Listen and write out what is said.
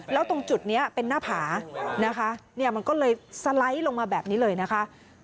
แล้วตรงจุดนี้เป็นหน้าผานะคะมันก็เลยสไลด์ลงมาแบบนี้เลยนะคะ